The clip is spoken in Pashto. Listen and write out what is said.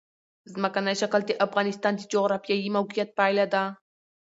ځمکنی شکل د افغانستان د جغرافیایي موقیعت پایله ده.